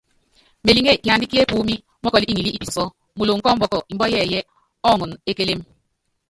Meliŋé, kiandá ki epúúmí, mɔ́kɔl ŋilí i pisɔsɔ́ muloŋ kɔ ɔmbɔk, mbua yɛɛyɛ́ ɔɔŋɔn e kélém.